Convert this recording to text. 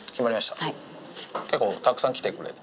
結構、たくさん来てくれて。